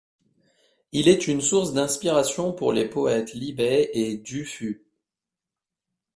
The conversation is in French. Il est une source d'inspiration pour les poètes Li Bai et Du Fu.